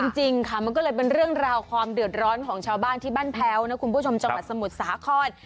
จริงค่ะมันก็เลยเป็นเรื่องราวความเดือดร้อนของชาวบ้านที่บ้านแพ้วนะคุณผู้ชมจังหวัดสมุทรสาคร